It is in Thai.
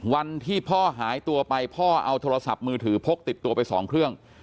วันที่พ่อหายตัวไปพ่อเอาโทรศัพท์มือถือพกติดตัวไปสองเครื่อง